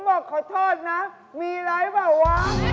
ผมบอกขอโทษนะมีอะไรบ้างวะ